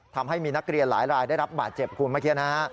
ทำให้มีนักเรียนหลายได้รับบาดเจ็บคุณมาเคียน